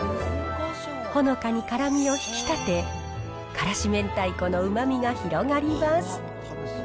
ほのかに辛みを引き立て、辛子明太子のうまみが広がります。